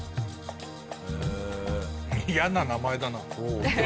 嫌な名前だな。